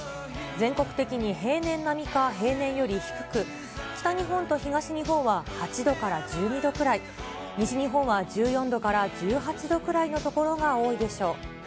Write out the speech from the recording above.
全国的に平年並みか、平年より低く、北日本と東日本は８度から１２度くらい、西日本は１４度から１８度くらいの所が多いでしょう。